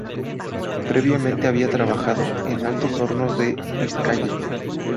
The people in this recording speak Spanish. Previamente había trabajado en Altos Hornos de Vizcaya.